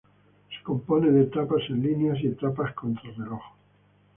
Se compone de etapas en línea y etapas contrarreloj.